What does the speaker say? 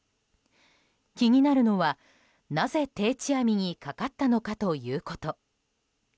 気になるのは、なぜ定置網にかかったのかということ。